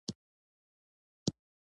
د پیسو منابع زیات را خلاص شوي وې.